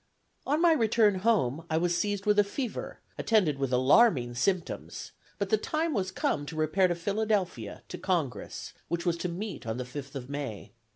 On my return home, I was seized with a fever, attended with alarming symptoms; but the time was come to repair to Philadelphia to Congress, which was to meet on the fifth of May.